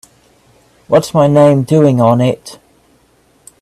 What's my name doing on it?